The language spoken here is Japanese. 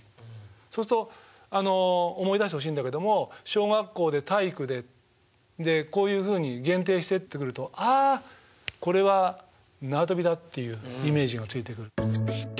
そうすると思い出してほしいんだけども「小学校で体育で」でこういうふうに限定してってくると「ああこれはなわとびだ」っていうイメージがついてくる。